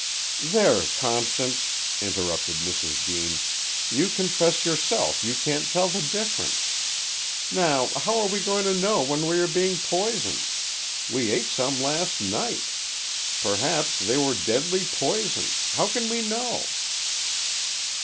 "There, Constance," interrupted Mrs. Deane, "you confess, yourself, you can't tell the difference. Now, how are we going to know when we are being poisoned? We ate some last night. Perhaps they were deadly poison how can we know?"